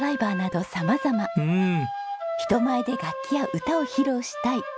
人前で楽器や歌を披露したい。